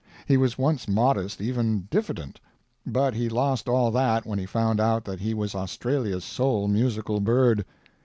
He was once modest, even diffident; but he lost all that when he found out that he was Australia's sole musical bird.